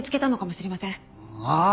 ああ！